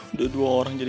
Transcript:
udah dua orang jadi